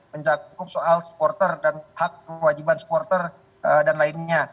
mencakup soal supporter dan hak kewajiban supporter dan lainnya